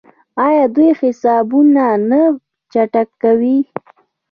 آیا دوی حسابونه نه چک کوي؟